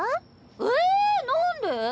ええなんで？